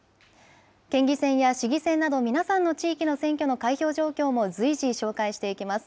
県議選や市議選など、皆さんの地域の選挙の開票状況も随時、紹介していきます。